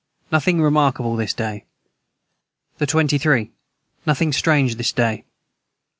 Nothing remarkable this day. the 23. Nothing strange this day.